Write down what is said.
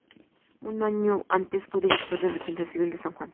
Un año antes fue director de defensa civil de San Juan.